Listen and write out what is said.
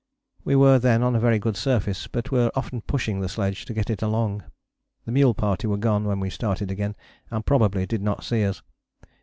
We were then on a very good surface, but were often pushing the sledge to get it along. The mule party were gone when we started again, and probably did not see us.